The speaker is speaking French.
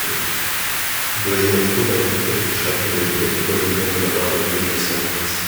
Bueil-en-Touraine était une châtellenie relevant de la baronnie de Saint-Mars.